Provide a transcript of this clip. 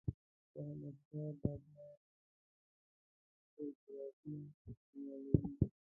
د احمدشاه بابا مېنې خلک ټول څراغونه استعمالوي.